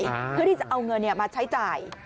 เพื่อที่จะเอาเงินมาใช้จ่าย